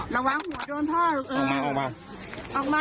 ระวังโดนพ่อลูกเออออกมาออกมาออกมาหรือว่าออกมา